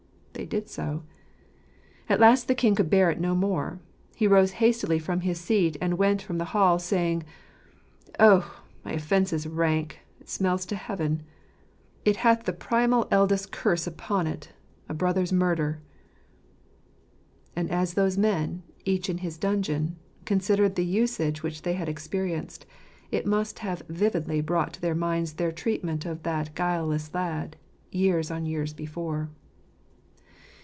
They did so. At last the king could bear it no more. He rose hastily from his seat and went from the hall, saying : 1 ' Oh, my offence is rank, it smells to Heaven ; It hath the primal eldest curse upon it, A brother's murder." And as those men, each in his dungeon, considered the usage which they had experienced, it must have vividly brought to their minds their treatment of that guileless lad, years on years before.